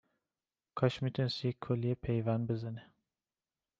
کاش می تونست یه کلیه پیوند بزنه